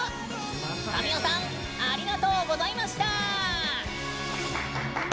神尾さんありがとうございました！